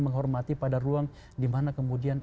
menghormati pada ruang dimana kemudian